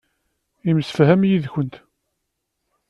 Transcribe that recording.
Yemsefham yid-kent.